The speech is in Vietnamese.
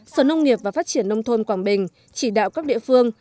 sở nông nghiệp và phát triển nông thôn quảng bình chỉ đạo các địa phương